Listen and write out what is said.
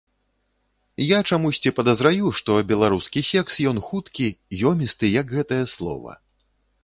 Я чамусьці падазраю, што беларускі секс ён хуткі, ёмісты, як гэтае слова.